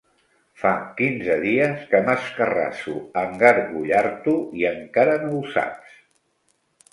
Fa quinze dies que m'escarrasso a engargullar-t'ho, i encara no ho saps.